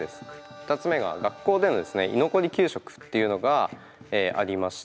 ２つ目が学校での居残り給食っていうのがありました。